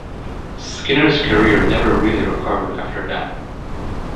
Skinner's career never really recovered after that.